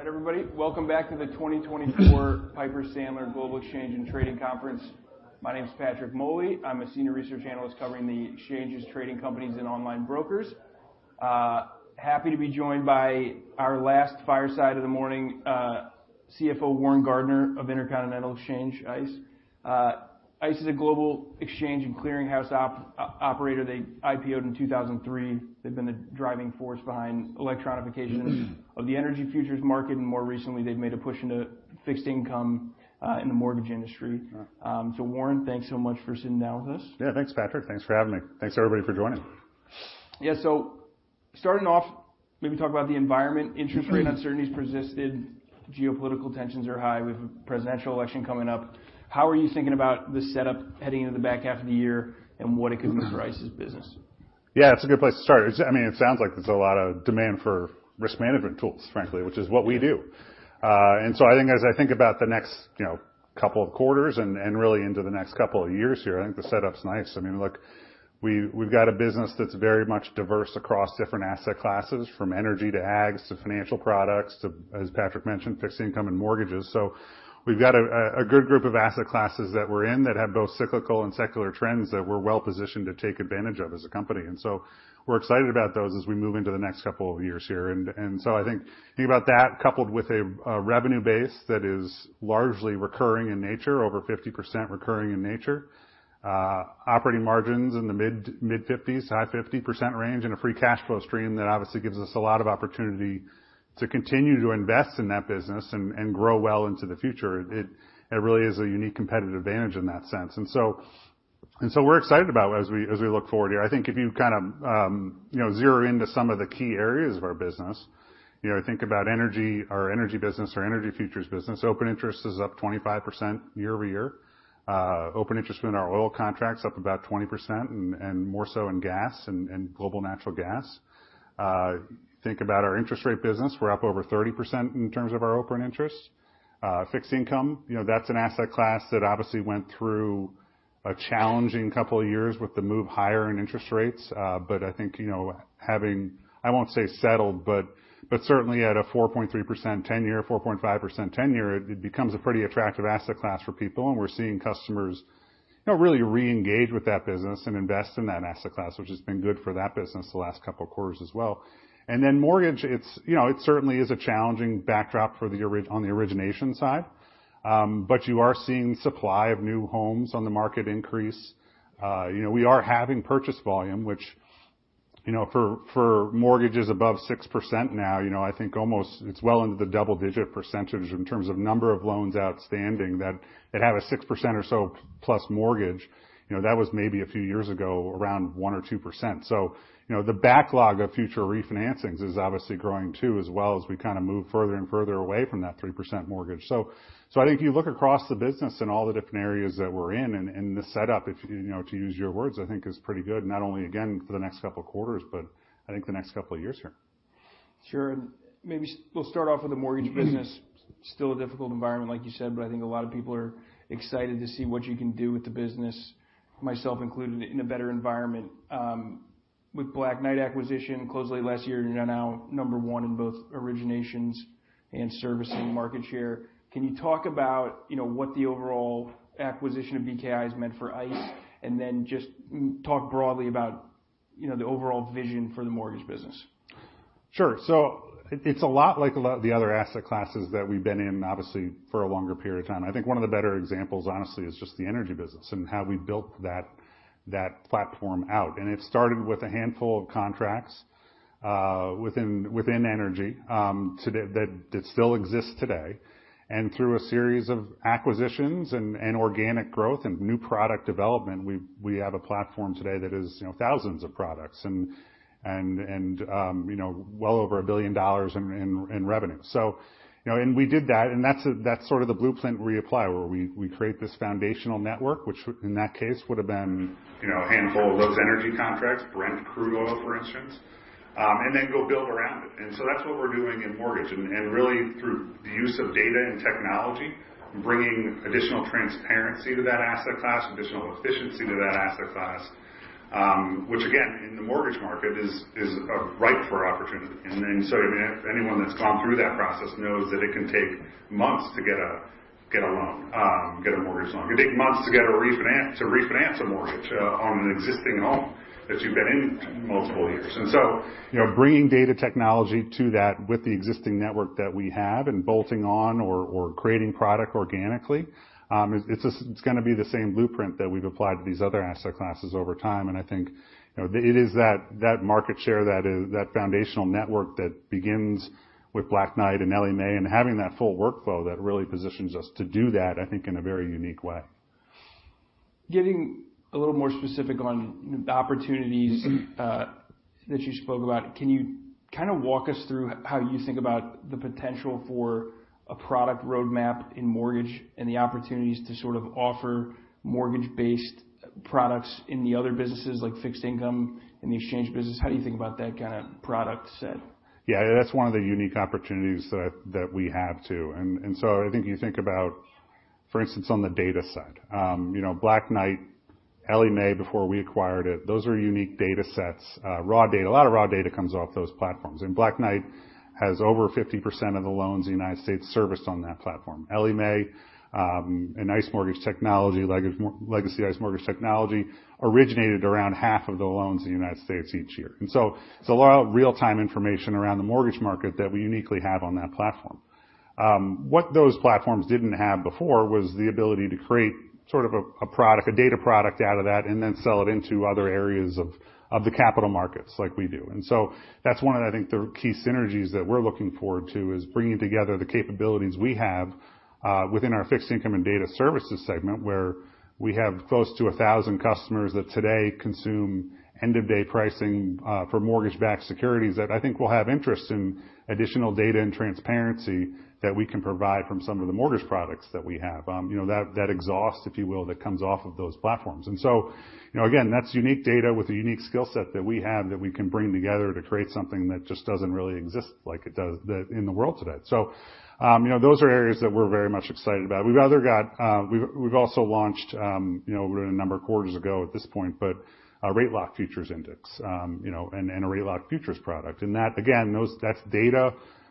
All right, everybody, welcome back to the 2024 Piper Sandler Global Exchange and Trading Conference. My name is Patrick Moley. I'm a senior research analyst covering the exchanges, trading companies, and online brokers. Happy to be joined by our last fireside of the morning, CFO Warren Gardiner of Intercontinental Exchange, ICE. ICE is a global exchange and clearinghouse operator. They IPO'd in 2003. They've been the driving force behind electronification of the energy futures market, and more recently, they've made a push into fixed income, in the mortgage industry. So Warren, thanks so much for sitting down with us. Yeah, thanks, Patrick. Thanks for having me. Thanks, everybody, for joining. Yeah, so starting off, maybe talk about the environment. Interest rate uncertainties persisted, geopolitical tensions are high. We have a presidential election coming up. How are you thinking about the setup heading into the back half of the year and what it could mean for ICE's business? Yeah, it's a good place to start. I mean, it sounds like there's a lot of demand for risk management tools, frankly, which is what we do. And so I think as I think about the next, you know, couple of quarters and really into the next couple of years here, I think the setup's nice. I mean, look, we, we've got a business that's very much diverse across different asset classes, from energy to ags to financial products to, as Patrick mentioned, fixed income and mortgages. So we've got a good group of asset classes that we're in that have both cyclical and secular trends that we're well positioned to take advantage of as a company. And so we're excited about those as we move into the next couple of years here. And so I think about that, coupled with a revenue base that is largely recurring in nature, over 50% recurring in nature, operating margins in the mid-50s to high 50% range, and a free cash flow stream that obviously gives us a lot of opportunity to continue to invest in that business and grow well into the future. It really is a unique competitive advantage in that sense. And so we're excited about as we look forward here. I think if you kind of, you know, zero in to some of the key areas of our business, you know, think about energy, our energy business or energy futures business. Open interest is up 25% year-over-year. Open interest in our oil contract's up about 20% and more so in gas and global natural gas. Think about our interest rate business, we're up over 30% in terms of our open interest. Fixed income, you know, that's an asset class that obviously went through a challenging couple of years with the move higher in interest rates. But I think, you know, having... I won't say settled, but certainly at a 4.3% 10-year, 4.5% 10-year, it becomes a pretty attractive asset class for people, and we're seeing customers, you know, really reengage with that business and invest in that asset class, which has been good for that business the last couple of quarters as well. And then mortgage, it's, you know, it certainly is a challenging backdrop for the origination side. But you are seeing supply of new homes on the market increase. You know, we are having purchase volume, which, you know, for mortgages above 6% now, you know, I think almost it's well into the double-digit percentage in terms of number of loans outstanding, that it had a 6% or so plus mortgage. You know, that was maybe a few years ago, around 1% or 2%. So, you know, the backlog of future refinancings is obviously growing, too, as well as we move further and further away from that 3% mortgage. So, I think if you look across the business and all the different areas that we're in and the setup, you know, to use your words, I think is pretty good, not only again, for the next couple of quarters, but I think the next couple of years here. Sure. Maybe we'll start off with the mortgage business. Still a difficult environment, like you said, but I think a lot of people are excited to see what you can do with the business, myself included, in a better environment. With Black Knight acquisition closed last year, you're now number one in both originations and servicing market share. Can you talk about, you know, what the overall acquisition of BKI has meant for ICE? And then just talk broadly about, you know, the overall vision for the mortgage business. Sure. So it's a lot like a lot of the other asset classes that we've been in, obviously, for a longer period of time. I think one of the better examples, honestly, is just the energy business and how we built that platform out. And it started with a handful of contracts within energy today, that still exists today. And through a series of acquisitions and organic growth and new product development, we have a platform today that is, you know, thousands of products and, you know, well over $1 billion in revenue. So, you know, and we did that, and that's, that's sort of the blueprint we apply, where we create this foundational network, which in that case would have been, you know, a handful of those energy contracts, Brent Crude oil, for instance, and then go build around it. And so that's what we're doing in mortgage, and really through the use of data and technology, bringing additional transparency to that asset class, additional efficiency to that asset class, which again, in the mortgage market, is ripe for opportunity. And then, so anyone that's gone through that process knows that it can take months to get a loan, get a mortgage loan. It can take months to get a refinance—to refinance a mortgage on an existing home that you've been in multiple years. And so, you know, bringing data technology to that with the existing network that we have and bolting on or creating product organically, it's just gonna be the same blueprint that we've applied to these other asset classes over time. And I think, you know, it is that market share, that foundational network that begins with Black Knight and Ellie Mae, and having that full workflow that really positions us to do that, I think, in a very unique way. Getting a little more specific on the opportunities that you spoke about, can you kind of walk us through how you think about the potential for a product roadmap in mortgage and the opportunities to sort of offer mortgage-based products in the other businesses, like fixed income in the exchange business? How do you think about that kind of product set? Yeah, that's one of the unique opportunities that we have, too. And so I think you think about, for instance, on the data side, you know, Black Knight, Ellie Mae before we acquired it, those are unique data sets, raw data. A lot of raw data comes off those platforms, and Black Knight has over 50% of the loans in the United States serviced on that platform. Ellie Mae, and ICE Mortgage Technology, Legacy ICE Mortgage Technology, originated around half of the loans in the United States each year. And so it's a lot of real-time information around the mortgage market that we uniquely have on that platform. What those platforms didn't have before was the ability to create sort of a product, a data product out of that, and then sell it into other areas of the capital markets like we do. And so that's one of, I think, the key synergies that we're looking forward to, is bringing together the capabilities we have within our fixed income and data services segment, where we have close to 1,000 customers that today consume end-of-day pricing for mortgage-backed securities that I think will have interest in additional data and transparency that we can provide from some of the mortgage products that we have. You know, that exhaust, if you will, that comes off of those platforms. And so, you know, again, that's unique data with a unique skill set that we have that we can bring together to create something that just doesn't really exist, like it does, that in the world today. So, you know, those are areas that we're very much excited about. We've also launched, you know, a number of quarters ago at this point, but a rate lock futures index. You know, and a rate lock futures product. And that, again, that's data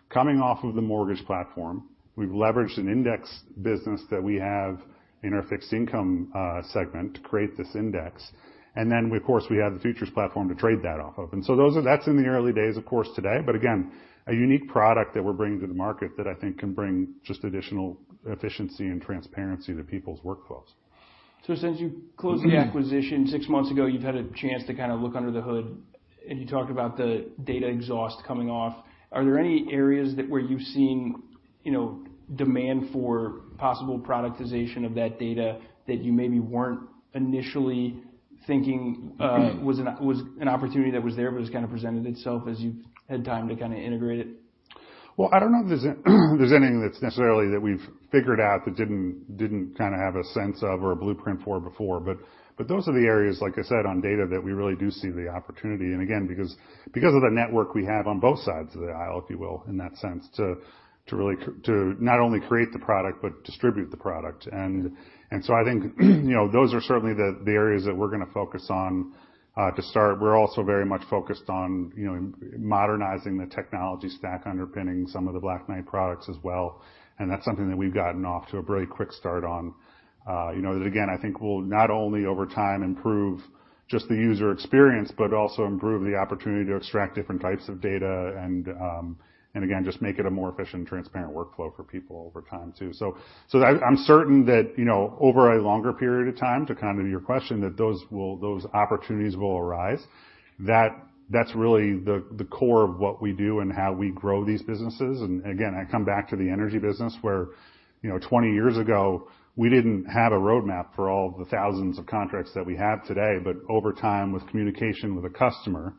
coming off of the mortgage platform. We've leveraged an index business that we have in our fixed income segment to create this index. And then, of course, we have the futures platform to trade that off of. And so that's in the early days, of course, today. But again, a unique product that we're bringing to the market that I think can bring just additional efficiency and transparency to people's workflows. So since you closed the acquisition six months ago, you've had a chance to kind of look under the hood, and you talked about the data exhaust coming off. Are there any areas where you've seen, you know, demand for possible productization of that data that you maybe weren't initially thinking was an opportunity that was there, but just kind of presented itself as you've had time to kind of integrate it? Well, I don't know if there's anything that's necessarily that we've figured out that didn't kinda have a sense of or a blueprint for before. But those are the areas, like I said, on data, that we really do see the opportunity. And again, because of the network we have on both sides of the aisle, if you will, in that sense, to really not only create the product, but distribute the product. And so I think, you know, those are certainly the areas that we're going to focus on to start. We're also very much focused on, you know, modernizing the technology stack, underpinning some of the Black Knight products as well. And that's something that we've gotten off to a very quick start on. You know, that again, I think will not only over time improve just the user experience, but also improve the opportunity to extract different types of data and, and again, just make it a more efficient and transparent workflow for people over time, too. So, I, I'm certain that, you know, over a longer period of time, to come to your question, that those opportunities will arise. That's really the core of what we do and how we grow these businesses. And again, I come back to the energy business, where, you know, 20 years ago, we didn't have a roadmap for all the thousands of contracts that we have today. But over time, with communication with the customer,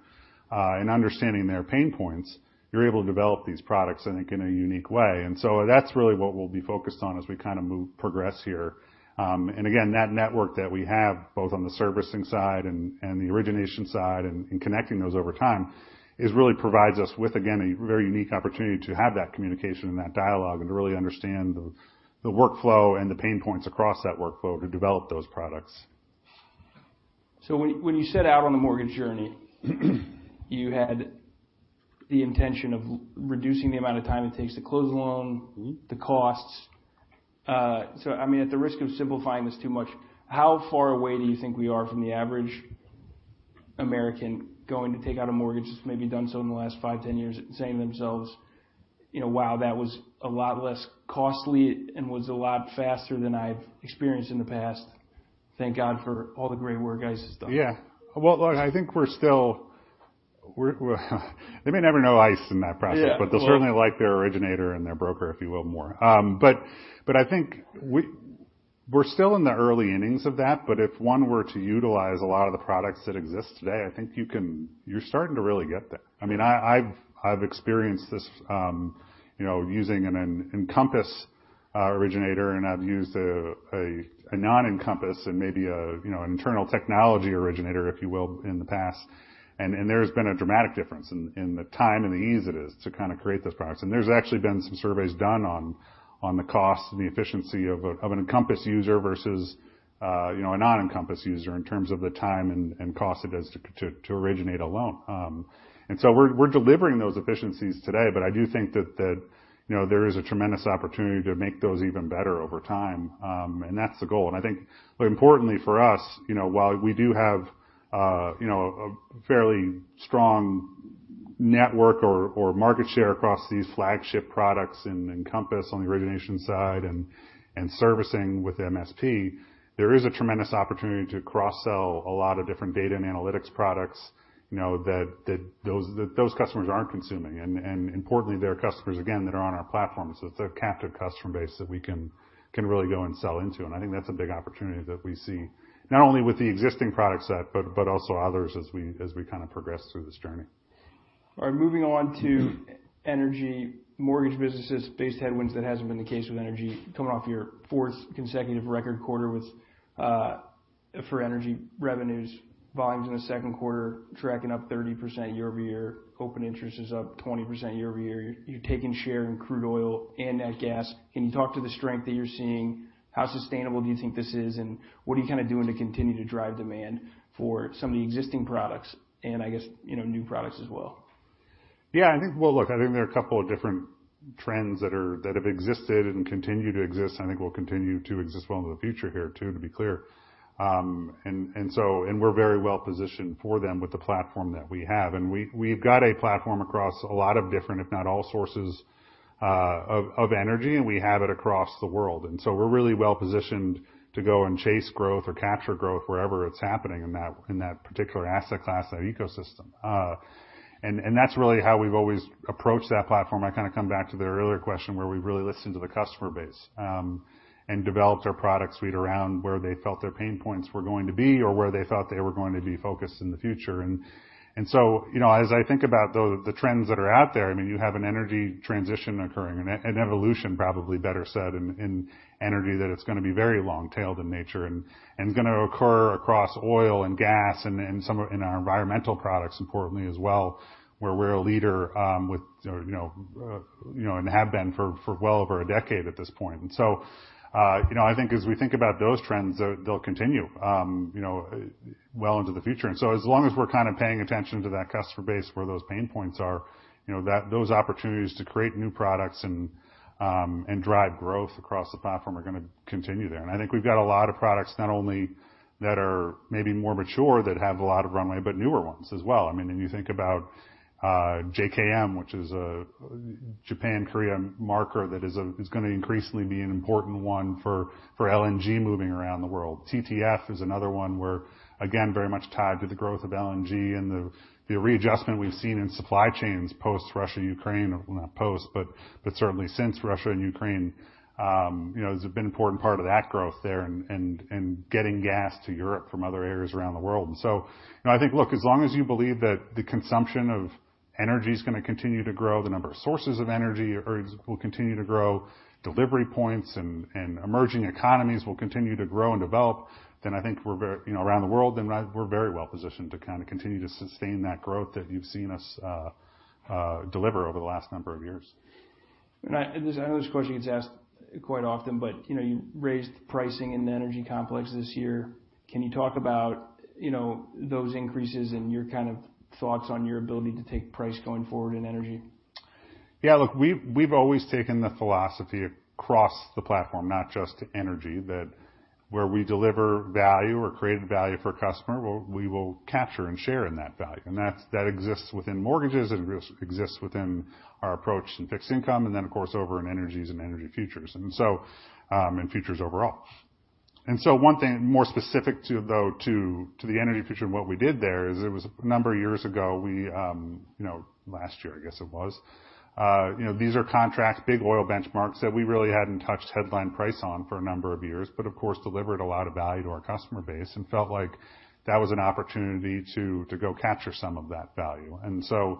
and understanding their pain points, you're able to develop these products in a unique way. And so that's really what we'll be focused on as we kind of move, progress here. And again, that network that we have, both on the servicing side and the origination side and connecting those over time, it really provides us with, again, a very unique opportunity to have that communication and that dialogue and to really understand the workflow and the pain points across that workflow to develop those products. So when you set out on the mortgage journey, you had the intention of reducing the amount of time it takes to close a loan- Mm-hmm. -the costs. So I mean, at the risk of simplifying this too much, how far away do you think we are from the average American going to take out a mortgage, that's maybe done so in the last 5, 10 years, saying to themselves, you know, "Wow, that was a lot less costly and was a lot faster than I've experienced in the past. Thank God for all the great work guys have done? Yeah. Well, look, I think we're still... They may never know ICE in that process- Yeah. but they'll certainly like their originator and their broker, if you will, more. But I think we're still in the early innings of that, but if one were to utilize a lot of the products that exist today, I think you can—you're starting to really get there. I mean, I've experienced this, you know, using an Encompass originator, and I've used a non-Encompass and maybe a, you know, an internal technology originator, if you will, in the past. And there's been a dramatic difference in the time and the ease it is to kind of create those products. And there's actually been some surveys done on the cost and the efficiency of an Encompass user versus, you know, a non-Encompass user in terms of the time and cost it is to originate a loan. And so we're delivering those efficiencies today, but I do think that you know, there is a tremendous opportunity to make those even better over time. And that's the goal. And I think importantly for us, you know, while we do have, you know, a fairly strong network or market share across these flagship products in Encompass on the origination side and servicing with MSP, there is a tremendous opportunity to cross-sell a lot of different data and analytics products, you know, that those customers aren't consuming. And importantly, they are customers, again, that are on our platform. So it's a captive customer base that we can really go and sell into, and I think that's a big opportunity that we see, not only with the existing product set, but also others as we kind of progress through this journey. All right. Moving on to energy mortgage businesses faced headwinds. That hasn't been the case with energy. Coming off your fourth consecutive record quarter with for energy revenues, volumes in the second quarter, tracking up 30% year-over-year. Open interest is up 20% year-over-year. You're taking share in crude oil and nat gas. Can you talk to the strength that you're seeing? How sustainable do you think this is, and what are you kind of doing to continue to drive demand for some of the existing products and I guess, you know, new products as well? Yeah, I think, well, look, I think there are a couple of different trends that have existed and continue to exist, I think will continue to exist well into the future here, too, to be clear. And we're very well positioned for them with the platform that we have. And we, we've got a platform across a lot of different, if not all sources, of energy, and we have it across the world. And so we're really well positioned to go and chase growth or capture growth wherever it's happening in that particular asset class, that ecosystem. And that's really how we've always approached that platform. I kind of come back to the earlier question, where we really listened to the customer base, and developed our product suite around where they felt their pain points were going to be or where they thought they were going to be focused in the future. And so, you know, as I think about the trends that are out there, I mean, you have an energy transition occurring, an evolution, probably better said, in energy, that it's gonna be very long-tailed in nature and gonna occur across oil and gas and some of... in our Environmental Products, importantly, as well, where we're a leader, with or you know, you know, and have been for well over a decade at this point. So, you know, I think as we think about those trends, they'll continue, you know, well into the future. So as long as we're kind of paying attention to that customer base, where those pain points are, you know, those opportunities to create new products and, and drive growth across the platform are gonna continue there. And I think we've got a lot of products, not only that are maybe more mature, that have a lot of runway, but newer ones as well. I mean, when you think about JKM, which is a Japan-Korea marker, that is gonna increasingly be an important one for LNG moving around the world. TTF is another one, where, again, very much tied to the growth of LNG and the readjustment we've seen in supply chains post-Russia, Ukraine, well, not post, but certainly since Russia and Ukraine, you know, has been an important part of that growth there and getting gas to Europe from other areas around the world. And so, you know, I think, look, as long as you believe that the consumption of energy is gonna continue to grow, the number of sources of energy or will continue to grow, delivery points and emerging economies will continue to grow and develop, then I think we're very, you know, around the world, then we're very well positioned to kind of continue to sustain that growth that you've seen us deliver over the last number of years. I know this question gets asked quite often, but, you know, you raised pricing in the energy complex this year. Can you talk about, you know, those increases and your kind of thoughts on your ability to take price going forward in energy? Yeah, look, we've always taken the philosophy across the platform, not just to energy, that where we deliver value or create value for a customer, we'll—we will capture and share in that value. And that's that exists within mortgages, it exists within our approach in fixed income, and then, of course, over in energies and energy futures, and so, and futures overall. And so one thing more specific to the energy futures and what we did there is, it was a number of years ago, we, you know, last year, I guess it was, you know, these are contracts, big oil benchmarks that we really hadn't touched headline price on for a number of years, but of course, delivered a lot of value to our customer base and felt like that was an opportunity to go capture some of that value. And so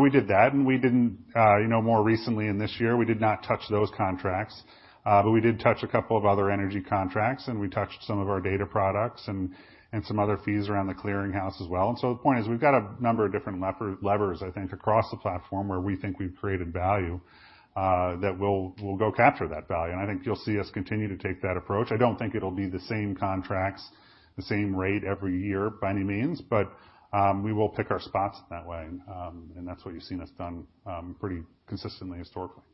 we did that, and we didn't, you know, more recently, in this year, we did not touch those contracts, but we did touch a couple of other energy contracts, and we touched some of our data products and some other fees around the clearinghouse as well. So the point is, we've got a number of different levers, I think, across the platform, where we think we've created value, that we'll go capture that value. I think you'll see us continue to take that approach. I don't think it'll be the same contracts, the same rate every year by any means, but we will pick our spots that way. That's what you've seen us done pretty consistently historically.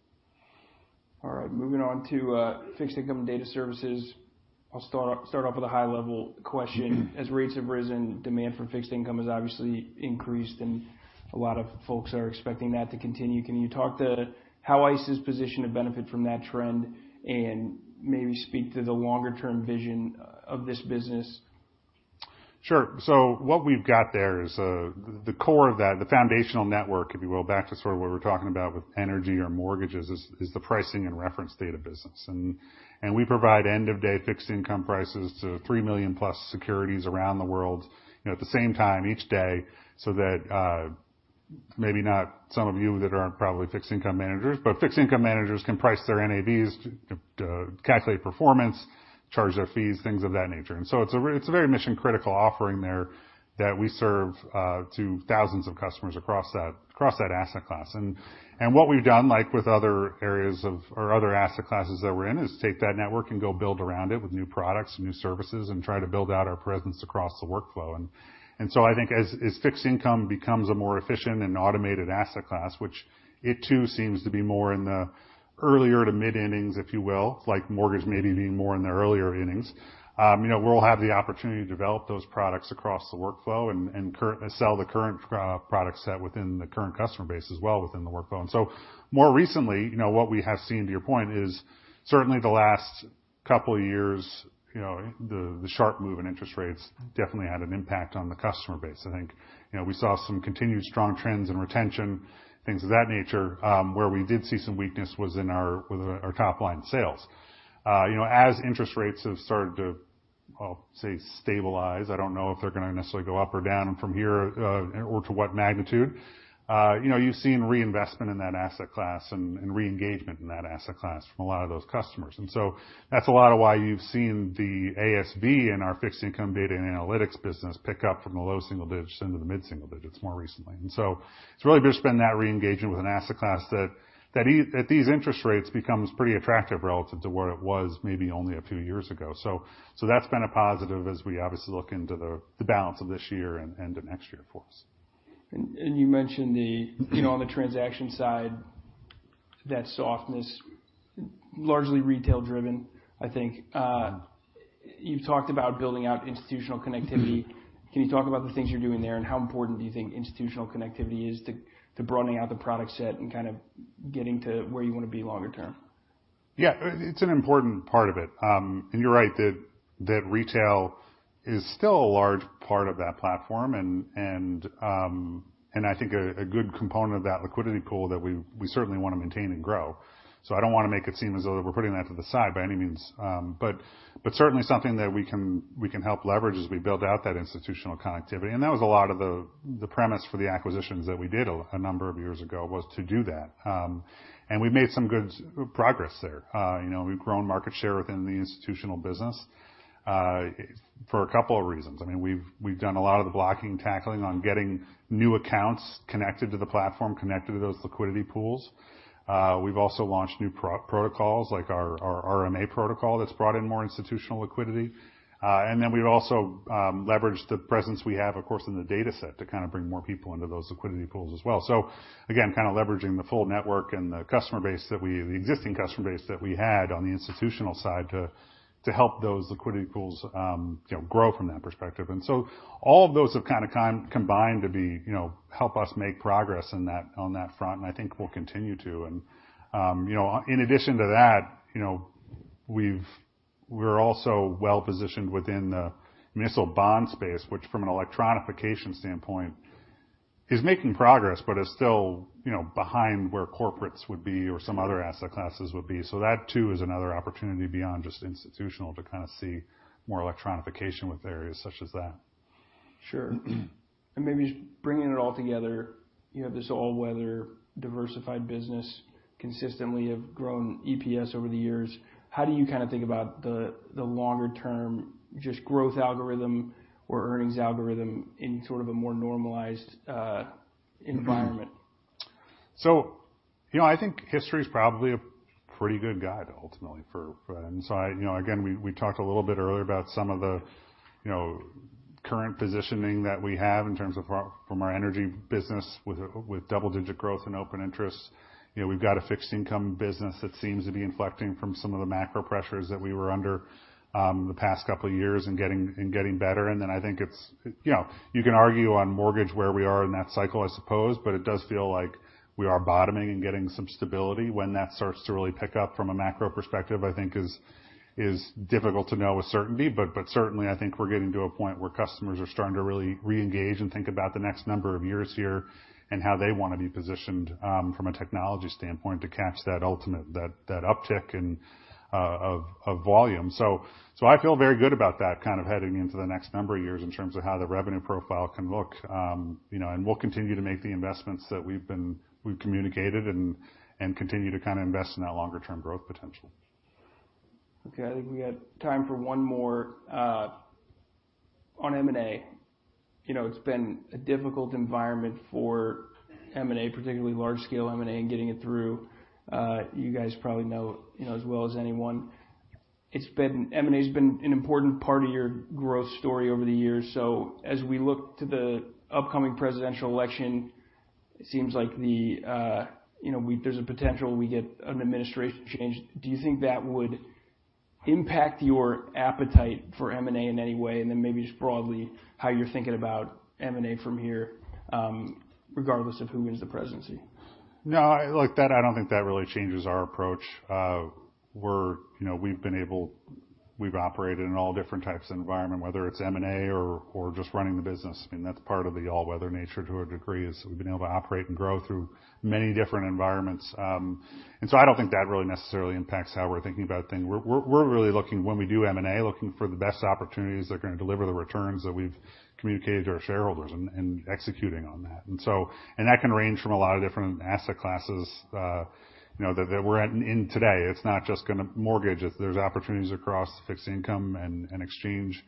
All right, moving on to Fixed Income and Data Services. I'll start off with a high-level question. Mm-hmm. As rates have risen, demand for fixed income has obviously increased, and a lot of folks are expecting that to continue. Can you talk to how ICE is positioned to benefit from that trend, and maybe speak to the longer-term vision of this business? Sure. So what we've got there is the core of that, the foundational network, if you will, back to sort of what we're talking about with energy or mortgages, is the Pricing and Reference Data business. And we provide end-of-day fixed income prices to 3 million plus securities around the world, you know, at the same time each day, so that maybe not some of you that aren't probably fixed income managers, but fixed income managers can price their NAVs to calculate performance, charge their fees, things of that nature. And so it's a very mission-critical offering there that we serve to thousands of customers across that asset class. And what we've done, like with other areas of... or other asset classes that we're in, is take that network and go build around it with new products and new services and try to build out our presence across the workflow. And so I think as fixed income becomes a more efficient and automated asset class, which it, too, seems to be more in the earlier to mid-innings, if you will, like mortgage maybe being more in the earlier innings, you know, we'll have the opportunity to develop those products across the workflow and cross-sell the current product set within the current customer base as well, within the workflow. And so more recently, you know, what we have seen, to your point, is certainly the last couple of years, you know, the sharp move in interest rates definitely had an impact on the customer base. I think, you know, we saw some continued strong trends in retention, things of that nature. Where we did see some weakness was in our, with our top-line sales. You know, as interest rates have started to, I'll say, stabilize, I don't know if they're gonna necessarily go up or down from here, or to what magnitude, you know, you've seen reinvestment in that asset class and, and re-engagement in that asset class from a lot of those customers. And so that's a lot of why you've seen the ASV in our Fixed Income Data and Analytics business pick up from the low single digits into the mid-single digits more recently. And so it's really just been that re-engagement with an asset class that, at these interest rates, becomes pretty attractive relative to what it was maybe only a few years ago. So, that's been a positive as we obviously look into the balance of this year and to next year for us. You mentioned the- Mm-hmm... you know, on the transaction side... that softness, largely retail-driven, I think. You've talked about building out institutional connectivity. Can you talk about the things you're doing there, and how important do you think institutional connectivity is to broadening out the product set and kind of getting to where you wanna be longer term? Yeah. It's an important part of it. And you're right that retail is still a large part of that platform, and I think a good component of that liquidity pool that we certainly wanna maintain and grow. So I don't wanna make it seem as though we're putting that to the side by any means, but certainly something that we can help leverage as we build out that institutional connectivity. And that was a lot of the premise for the acquisitions that we did a number of years ago, was to do that. And we've made some good progress there. You know, we've grown market share within the institutional business, for a couple of reasons. I mean, we've done a lot of the blocking and tackling on getting new accounts connected to the platform, connected to those liquidity pools. We've also launched new protocols, like our RFQ protocol, that's brought in more institutional liquidity. And then we've also leveraged the presence we have, of course, in the data set to kind of bring more people into those liquidity pools as well. So again, kind of leveraging the full network and the customer base that we the existing customer base that we had on the institutional side to help those liquidity pools, you know, grow from that perspective. And so all of those have kind of combined to, you know, help us make progress in that, on that front, and I think we'll continue to. you know, in addition to that, you know, we're also well positioned within the municipal bond space, which from an electronification standpoint, is making progress but is still, you know, behind where corporates would be or some other asset classes would be. So that too is another opportunity beyond just institutional to kind of see more electronification with areas such as that. Sure. And maybe just bringing it all together, you have this all-weather, diversified business, consistently have grown EPS over the years. How do you kind of think about the, the longer term, just growth algorithm or earnings algorithm in sort of a more normalized environment? So, you know, I think history is probably a pretty good guide ultimately for. And so I, you know, again, we talked a little bit earlier about some of the, you know, current positioning that we have in terms of our—from our energy business with double-digit growth and open interest. You know, we've got a fixed income business that seems to be inflecting from some of the macro pressures that we were under, the past couple of years and getting, and getting better. And then I think it's, you know, you can argue on mortgage, where we are in that cycle, I suppose, but it does feel like we are bottoming and getting some stability. When that starts to really pick up from a macro perspective, I think is difficult to know with certainty, but certainly, I think we're getting to a point where customers are starting to really reengage and think about the next number of years here, and how they wanna be positioned from a technology standpoint to catch that ultimate, that uptick in volume. So I feel very good about that, kind of heading into the next number of years in terms of how the revenue profile can look. You know, and we'll continue to make the investments that we've communicated and continue to kind of invest in that longer term growth potential. Okay, I think we have time for one more. On M&A, you know, it's been a difficult environment for M&A, particularly large-scale M&A and getting it through. You guys probably know, you know, as well as anyone, it's been M&A's been an important part of your growth story over the years. So as we look to the upcoming presidential election, it seems like the, you know, we there's a potential we get an administration change. Do you think that would impact your appetite for M&A in any way? And then maybe just broadly, how you're thinking about M&A from here, regardless of who wins the presidency? No, I... Look, that, I don't think that really changes our approach. You know, we've been able to operate in all different types of environment, whether it's M&A or, or just running the business, and that's part of the all-weather nature to a degree, is we've been able to operate and grow through many different environments. And so I don't think that really necessarily impacts how we're thinking about things. We're really looking, when we do M&A, looking for the best opportunities that are gonna deliver the returns that we've communicated to our shareholders and, and executing on that. And so and that can range from a lot of different asset classes, you know, that, that we're at in today. It's not just gonna mortgage it. There's opportunities across fixed income and exchange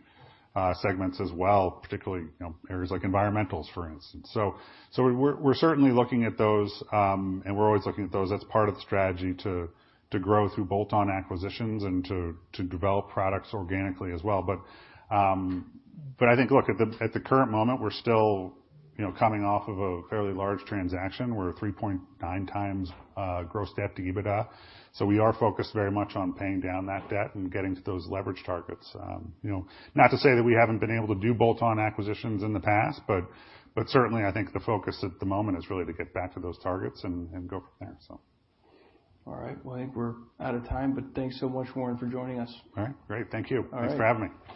segments as well, particularly, you know, areas like environmentals, for instance. So we're certainly looking at those, and we're always looking at those. That's part of the strategy to grow through bolt-on acquisitions and to develop products organically as well. But I think, look, at the current moment, we're still, you know, coming off of a fairly large transaction. We're 3.9 times gross debt to EBITDA, so we are focused very much on paying down that debt and getting to those leverage targets. You know, not to say that we haven't been able to do bolt-on acquisitions in the past, but certainly, I think the focus at the moment is really to get back to those targets and go from there, so. All right. Well, I think we're out of time, but thanks so much, Warren, for joining us. All right. Great. Thank you. All right. Thanks for having me.